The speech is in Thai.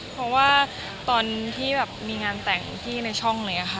เพราะว่าตอนที่มีงานแต่งที่ในช่องเลยค่ะ